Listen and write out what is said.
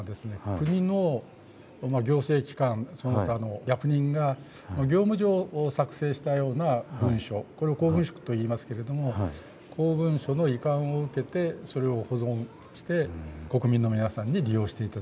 国の行政機関その他の役人が業務上作成したような文書これを公文書といいますけれども公文書の移管を受けてそれを保存して国民の皆さんに利用して頂くと。